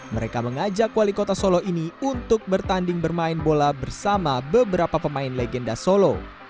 mereka mengajak wali kota solo ini untuk bertanding bermain bola bersama beberapa pemain legenda solo